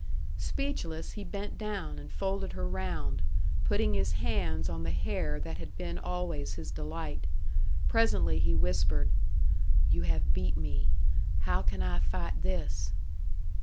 Speechless, he bent down and folded her round, putting his hands on the hair that had been always his delight. Presently he whispered: "You have beat me; how can I fight this?"